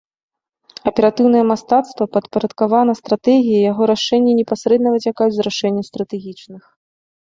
Аператыўнае мастацтва падпарадкавана стратэгіі і яго рашэнні непасрэдна выцякаюць з рашэння стратэгічных.